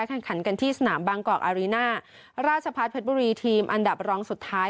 แข่งขันกันที่สนามบางกอกอารีน่าราชพัฒน์เพชรบุรีทีมอันดับรองสุดท้าย